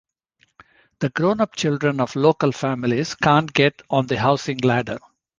The grown-up children of local families can't get on the housing ladder'.